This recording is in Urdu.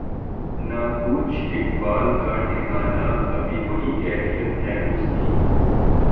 نہ پوچھ اقبال کا ٹھکانہ ابھی وہی کیفیت ہے اس کی